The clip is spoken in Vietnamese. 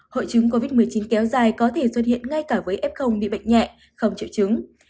hội chứng covid một mươi chín kéo dài có thể xuất hiện ngay cả với f bị bệnh nhẹ không chịu chứng